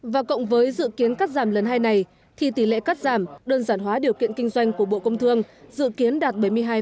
và cộng với dự kiến cắt giảm lần hai này thì tỷ lệ cắt giảm đơn giản hóa điều kiện kinh doanh của bộ công thương dự kiến đạt bảy mươi hai